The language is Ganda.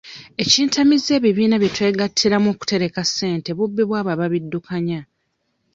Ekintamizza ebibiina bye twegattiramu okutereka ssente bubbi bw'abo ababiddukanya.